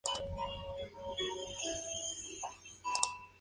Los estados miembros deben transponer la directiva a las leyes locales.